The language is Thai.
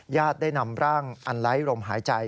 ได้นำร่างอันไร้ลมหายใจ